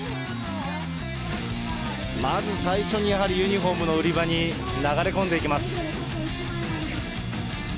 まず最初にやはり、ユニホームの売り場に流れ込んでいきます。